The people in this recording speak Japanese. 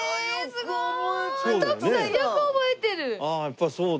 すごい！